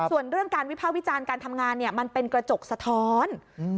ส่วนเรื่องการวิภาควิจารณ์การทำงานเนี่ยมันเป็นกระจกสะท้อน